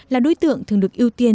là đối tượng thường được ưu tiên